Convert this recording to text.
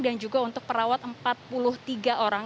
dan juga untuk perawat empat puluh tiga orang